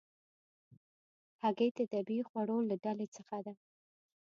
هګۍ د طبیعي خوړو له ډلې ده.